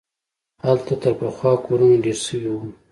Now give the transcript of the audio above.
هلته تر پخوا کورونه ډېر سوي وو.